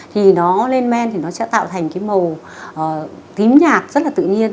thì nó lên men thì nó sẽ tạo thành cái màu tím nhạc rất là tự nhiên